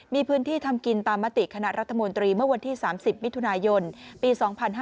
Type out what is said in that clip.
มีพื้นที่ทำกินตามมติคณะรัฐมนตรีเมื่อวันที่๓๐มิถุนายนปี๒๕๕๙